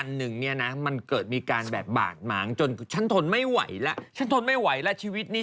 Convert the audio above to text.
ฉันก็กระบดขึ้นมาเลยทันที